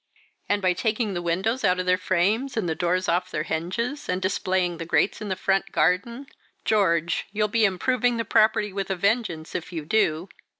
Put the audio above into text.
"And by taking the windows out of their frames, and the doors off their hinges, and displaying the grates in the front garden! George! you'll be improving the property with a vengeance if you do."